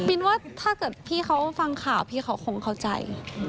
นว่าถ้าเกิดพี่เขาฟังข่าวพี่เขาคงเข้าใจ